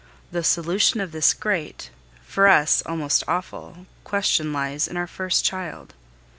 The solution of this great for us almost awful question lies in our first child.